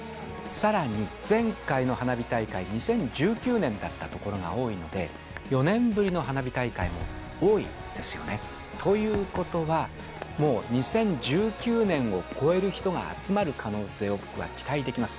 さらに前回の花火大会２０１９年だった所が多いので、４年ぶりの花火大会も多いんですよね。ということは、もう、２０１９年を超える人が集まる可能性は期待できます。